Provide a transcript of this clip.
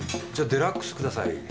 じゃあデラックスください。